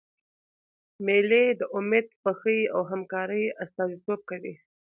مېلې د امېد، خوښۍ او همکارۍ استازیتوب کوي.